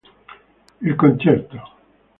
Il concerto".